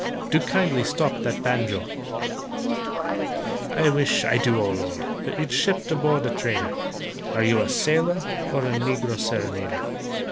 Do kindly stop that banjo! "I wish, I do—O lor'!— You'd shipped aboard a trader: Are you a sailor or A negro serenader?"